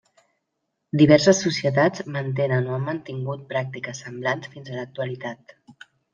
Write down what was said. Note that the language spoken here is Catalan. Diverses societats mantenen o han mantingut pràctiques semblants fins a l'actualitat.